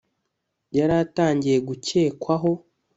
yari atangiye gukekwaho